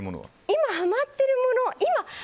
今ハマっているもの。